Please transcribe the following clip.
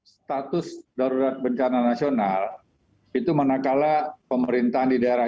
status darurat bencana nasional itu manakala pemerintahan di daerah